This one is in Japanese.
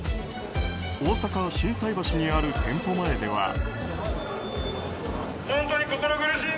大阪・心斎橋にある店舗前では。